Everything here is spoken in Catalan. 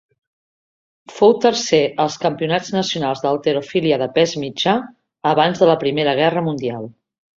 Fou tercer als campionats nacionals d'halterofília de pes mitjà abans de la Primera Guerra Mundial.